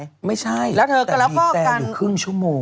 แล้วเค้าก็ค่อยลอดแค่๑๕นน